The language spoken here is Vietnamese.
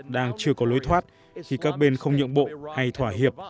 đang chưa có lối thoát khi các bên không nhượng bộ hay thỏa hiệp